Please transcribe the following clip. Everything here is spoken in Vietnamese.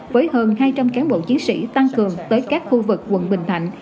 với hơn hai trăm linh cán bộ chiến sĩ tăng cường tới các khu vực quận bình thạnh